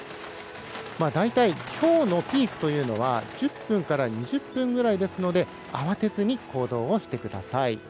大体ひょうのピークというのが１０分から２０分くらいですので慌てずに行動をしてください。